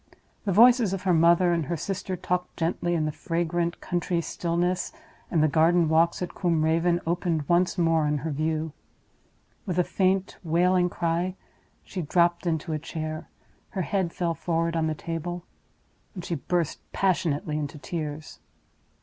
The voices of her mother and her sister talked gently in the fragrant country stillness, and the garden walks at Combe Raven opened once more on her view. With a faint, wailing cry, she dropped into a chair; her head fell forward on the table, and she burst passionately into tears.